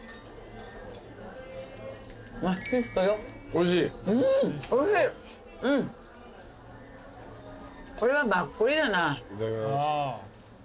いただきます。